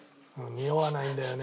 におわないんだよね。